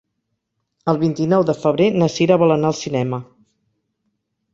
El vint-i-nou de febrer na Cira vol anar al cinema.